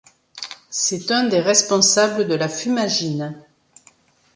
C'est un des responsables de la fumagine.